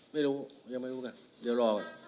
ไม่รู้ยังไม่รู้ไงเดี๋ยวรอ